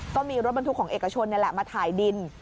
ก็มีรถบรรทุกของเอกชนนี่แหละมาถ่ายดิน